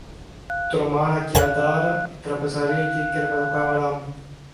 Τρομάρα και Αντάρα, η τραπεζαρία και η κρεβατοκάμαρα μου.